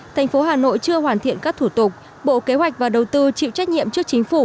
thành phố hà nội chưa hoàn thiện các thủ tục bộ kế hoạch và đầu tư chịu trách nhiệm trước chính phủ